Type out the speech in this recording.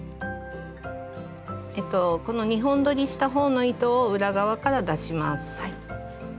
この２本どりした方の糸を裏側から出します。